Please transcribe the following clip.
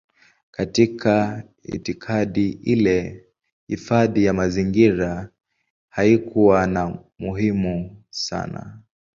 Katika itikadi ile hifadhi ya mazingira haikuwa na umuhimu sana.